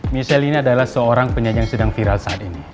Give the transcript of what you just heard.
michelle ini adalah seorang penyaji yang sedang viral saat ini